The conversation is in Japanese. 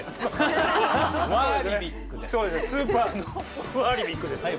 スーパーのワーリビックですね。